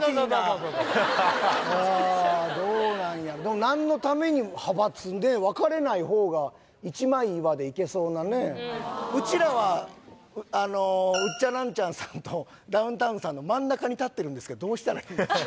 そうそうああどうなんやろでも何のために派閥で分かれない方が一枚岩でいけそうなねうちらはあのウッチャンナンチャンさんとダウンタウンさんの真ん中に立ってるんですけどどうしたらいいですか？